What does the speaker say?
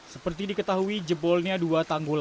seperti diketahui jebolnya dua tangguh laut